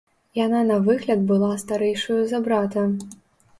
Яна на выгляд была старэйшаю за брата.